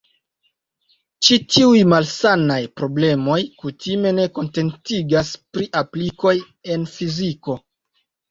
Ĉi tiuj "malsanaj" problemoj kutime ne kontentigas pri aplikoj en fiziko.